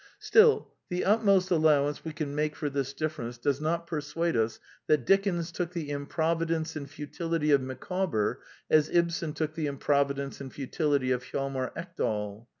Still, the utmost allowance we can make for this difference does not persuade us that Dickens took the improvidence and futility of Micawber as Ibsen took the improvidence and futility of Hjalmar Ekdal.